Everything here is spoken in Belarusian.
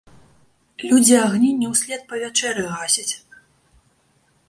Людзі агні не ўслед па вячэры гасяць.